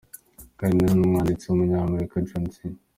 Kandi nanone umwanditsi w’Umunyamerika John C.